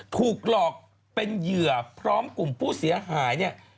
ถูกหลอกเป็นเหยื่อพร้อมกลุ่มผู้เสียหายเนี่ย